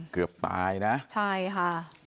เกือบตายนะใช่ค่ะ